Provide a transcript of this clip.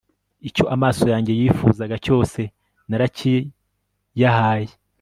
icyo amaso yanjye yifuzaga cyose, narakiyahaye